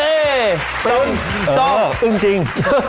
ต้นต้องอึ้งจริง